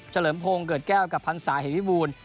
เจริมโพงเกิดแก้วกับพันสาเห่ยบุญ